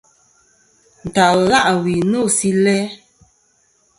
Ntal la' wi no si læ.